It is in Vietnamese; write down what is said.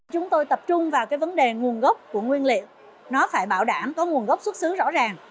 chúng tôi tập trung vào cái vấn đề nguồn gốc của nguyên liệu nó phải bảo đảm có nguồn gốc xuất xứ rõ ràng